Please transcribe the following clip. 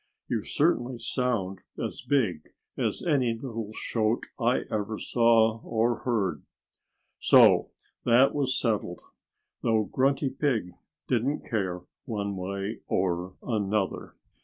You certainly sound as big as any little shote I ever saw or heard." So that was settled though Grunty Pig didn't care one way or another.